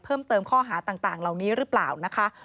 เพิ่มเติมข้อหาต่างเหล่านี้หรือเปล่านะคะ